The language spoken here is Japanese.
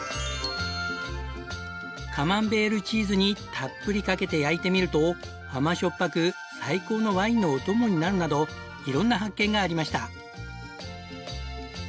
カマンベールチーズにたっぷりかけて焼いてみると甘しょっぱく最高のワインのお供になるなど色んな発見がありました。